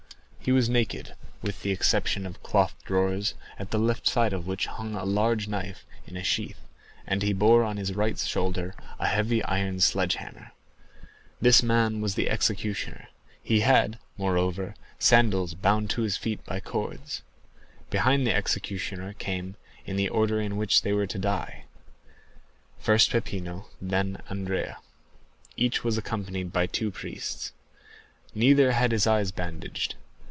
He was naked, with the exception of cloth drawers at the left side of which hung a large knife in a sheath, and he bore on his right shoulder a heavy iron sledge hammer. This man was the executioner. He had, moreover, sandals bound on his feet by cords. Behind the executioner came, in the order in which they were to die, first Peppino and then Andrea. Each was accompanied by two priests. Neither had his eyes bandaged.